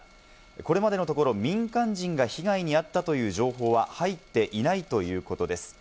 これまでのところ民間人が被害に遭ったという情報は入っていないということです。